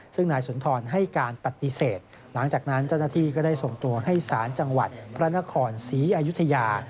ซึ่งนายสุนทรให้การปฏิเสธหลังจากนั้นเจ้าหน้าที่ก็ได้ส่งตัวให้ศาลจังหวัดพระนครศรีอยุธยา